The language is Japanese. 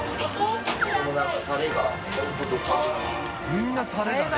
みんなタレだね。